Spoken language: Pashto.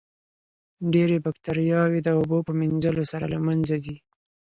ډېرې باکتریاوې د اوبو په مینځلو سره له منځه ځي.